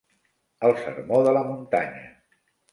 El sermó de la muntanya.